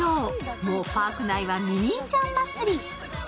もうパーク内はミニーちゃん祭り。